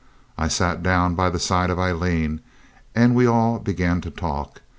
I sat down by the side of Aileen, and we all began to talk.